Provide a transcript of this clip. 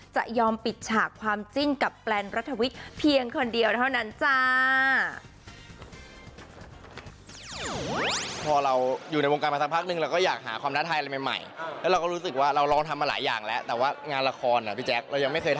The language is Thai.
จะยอมปิดฉากความจิ้นกับแปลนรัฐวิทย์เพียงคนเดียวเท่านั้นจ้า